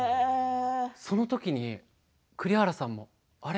そのときに栗原さんもあれ？